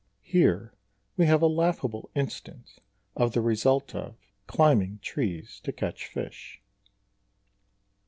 Here we have a laughable instance of the result of "climbing trees to catch fish."